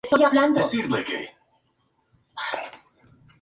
El octavo hijo, que sobrevivió, fue Krisna Vasudeva.